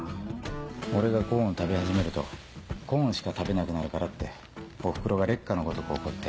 俺がコーン食べ始めるとコーンしか食べなくなるからっておふくろが烈火のごとく怒って。